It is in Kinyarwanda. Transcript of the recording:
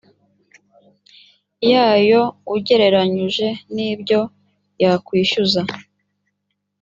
yayo ugereranyuje n ibyo yakwishyuzwa